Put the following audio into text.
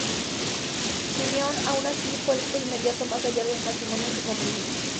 Su unión, aun así, fue de inmediato más allá de un matrimonio de conveniencia.